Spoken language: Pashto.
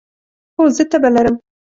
هو، زه تبه لرم